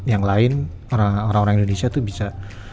yang lain orang orang indonesia itu bisa